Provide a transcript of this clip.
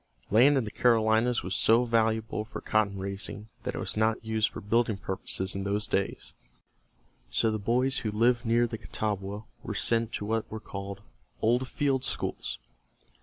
Land in the Carolinas was so valuable for cotton raising that it was not used for building purposes in those days, so the boys who lived near the Catawba were sent to what were called "old field schools."